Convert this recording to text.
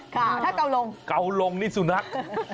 ถ้าเกาลงเกาลงนิสุนัข